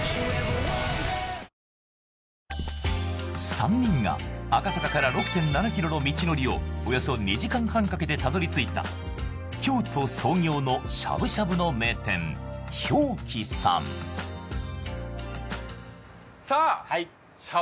３人が赤坂から６．７ｋｍの道のりをおよそ２時間半かけてたどり着いた京都創業のしゃぶしゃぶの名店瓢喜さんさあ！